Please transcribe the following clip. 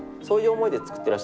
そういう思いで作っ